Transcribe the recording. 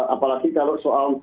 apalagi kalau soal